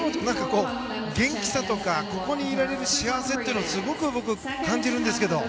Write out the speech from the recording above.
元気さとかここにいられる幸せというのをすごく僕、感じるんですけど。